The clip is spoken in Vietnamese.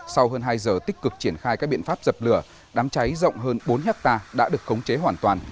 sau hơn hai giờ tích cực triển khai các biện pháp dập lửa đám cháy rộng hơn bốn hectare đã được khống chế hoàn toàn